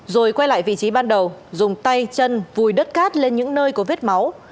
rồi quay lại vị trí ban đầu dùng tay chân vùi đất cát lên những nơi có vết máu